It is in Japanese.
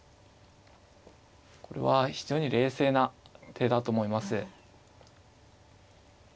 これは非常に冷静な手だと思います。